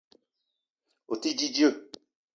O te di dzeu